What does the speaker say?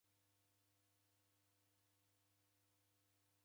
Nafuma kuja vindo